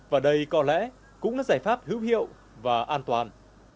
và đây có lẽ cũng là giải pháp hữu hiệu và an toàn